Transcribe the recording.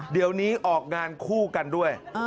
เดี๋ยวนี้ออกงานคู่กันด้วย